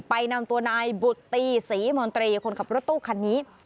นำตัวนายบุตตีศรีมนตรีคนขับรถตู้คันนี้